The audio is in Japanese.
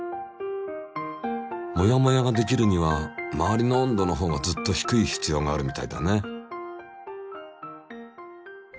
もやもやができるには周りの温度のほうがずっと低い必要があるみたいだね。